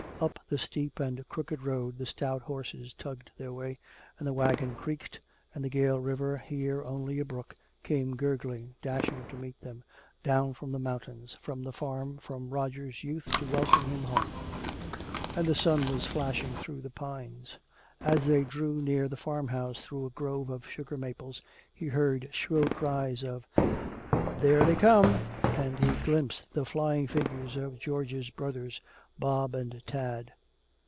Up the steep and crooked road the stout horses tugged their way, and the wagon creaked, and the Gale River, here only a brook, came gurgling, dashing to meet them down from the mountains, from the farm, from Roger's youth to welcome him home. And the sun was flashing through the pines. As they drew near the farmhouse through a grove of sugar maples, he heard shrill cries of, "There they come!" And he glimpsed the flying figures of George's brothers, Bob and Tad.